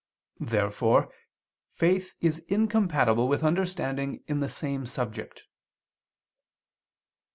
Therefore faith is incompatible with understanding in the same subject.